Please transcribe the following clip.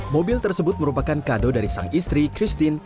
mobil tersebut merupakan kado dari sang istri christine